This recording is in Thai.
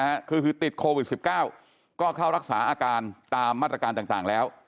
ถ้าว่านี้ติดโควิด๑๙ก็เข้ารักษาอาการตามมาตรการต่างแล้ว